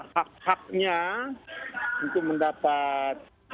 hak haknya untuk mendapat